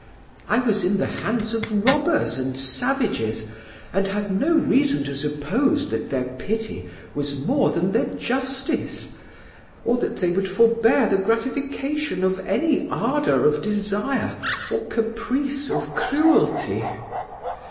I was in the hands of robbers and savages, and had no reason to suppose that their pity was more than their justice, or that they would forbear the gratification of any ardour of desire or caprice of cruelty.